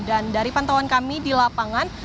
dan dari pantauan kami di lapangan